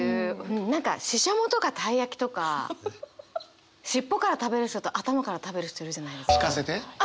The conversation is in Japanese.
何かししゃもとかたい焼きとか尻尾から食べる人と頭から食べる人いるじゃないですか。